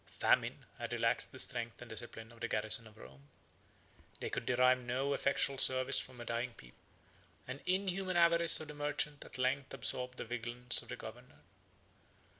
Famine had relaxed the strength and discipline of the garrison of Rome. They could derive no effectual service from a dying people; and the inhuman avarice of the merchant at length absorbed the vigilance of the governor.